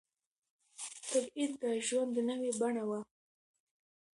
تبعيد د ژوند نوې بڼه وه.